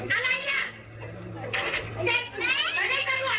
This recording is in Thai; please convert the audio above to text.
ให้คุณผู้ชมขายไป